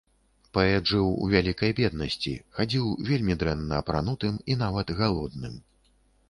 Паэт жыў у вялікай беднасці, хадзіў вельмі дрэнна апранутым і нават галодным.